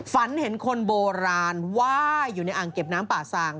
ฝันเห็นคนโบราณว่ายอยู่ในอ่างเก็บน้ำป่าซาง